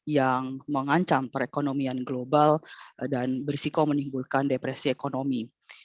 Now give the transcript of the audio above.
yang mengancam perekonomian global dan berisiko menimbulkan depresi ekonomi